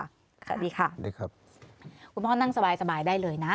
สวัสดีค่ะสวัสดีครับคุณพ่อนั่งสบายสบายได้เลยนะ